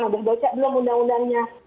udah baca belum undang undangnya